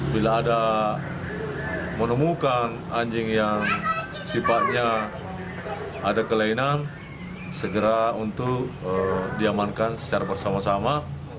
bila ada menemukan anjing yang sifatnya ada kelainan segera untuk diamankan secara bersama sama